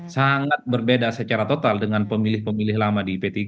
sangat berbeda secara total dengan pemilih pemilih lama di p tiga